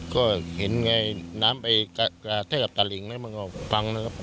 ก็เห็นไงน้ำไปกระแทกตะหลิงนะมันก็พังนะครับ